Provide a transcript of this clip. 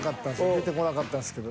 出てこなかったんですけど